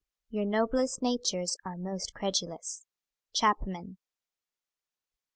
Your noblest natures are most credulous. CHAPMAN.